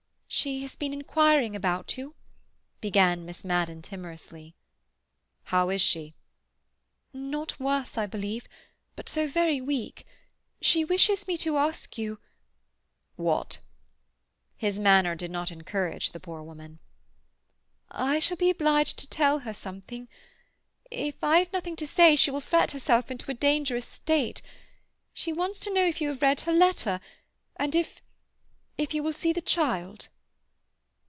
"She has been inquiring about you," began Miss Madden timorously. "How is she?" "Not worse, I believe. But so very weak. She wishes me to ask you—" "What?" His manner did not encourage the poor woman. "I shall be obliged to tell her something. If I have nothing to say she will fret herself into a dangerous state. She wants to know if you have read her letter, and if—if you will see the child."